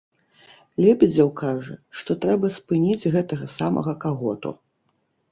Лебедзеў кажа, што трэба спыніць гэтага самага каго-то.